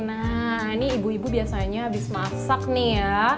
nah ini ibu ibu biasanya habis masak nih ya